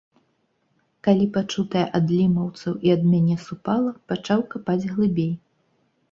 Калі пачутае ад лімаўцаў і ад мяне супала, пачаў капаць глыбей.